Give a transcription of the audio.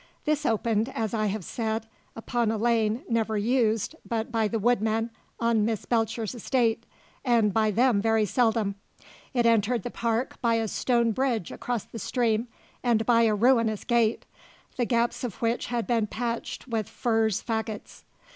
This opened, as I have said, upon a lane never used but by the woodmen on Miss Belcher's estate, and by them very seldom. It entered the park by a stone bridge across the stream and by a ruinous gate, the gaps of which had been patched with furze faggots.